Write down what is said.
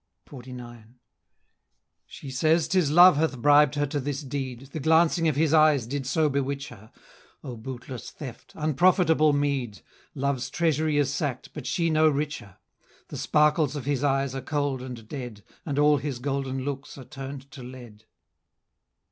XLIX. She says 'tis love hath bribed her to this deed, The glancing of his eyes did so bewitch her. O bootless theft! unprofitable meed! Love's treasury is sack'd, but she no richer; The sparkles of his eyes are cold and dead, And all his golden looks are turn'd to lead!